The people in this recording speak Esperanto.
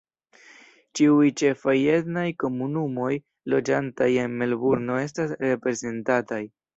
Ĉiuj ĉefaj etnaj komunumoj loĝantaj en Melburno estas reprezentataj.